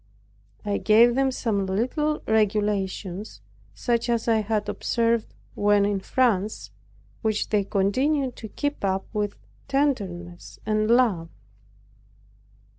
I gave them some little regulations such as I had observed when in France, which they continued to keep up with tenderness and love.